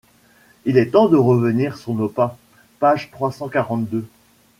Il est temps de revenir sur nos pas. page trois cent quarante-deux.